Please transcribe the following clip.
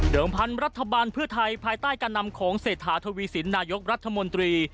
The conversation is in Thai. พันธุ์รัฐบาลเพื่อไทยภายใต้การนำของเศรษฐาทวีสินนายกรัฐมนตรี